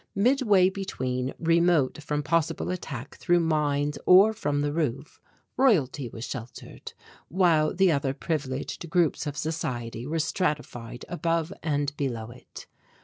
Midway between, remote from possible attack through mines or from the roof, Royalty was sheltered, while the other privileged groups of society were stratified above and below it.